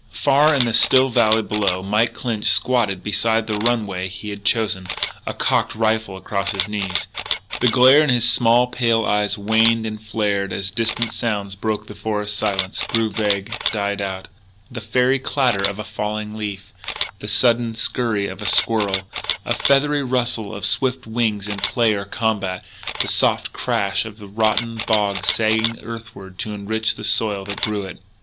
Far in the still valley below, Mike Clinch squatted beside the runway he had chosen, a cocked rifle across his knees. The glare in his small, pale eyes waned and flared as distant sounds broke the forest silence, grew vague, died out, the fairy clatter of a falling leaf, the sudden scurry of a squirrel, a feathery rustle of swift wings in play or combat, the soft crash of a rotten bough sagging earthward to enrich the soil that grew it.